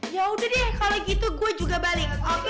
yaudah deh kalau gitu gue juga balik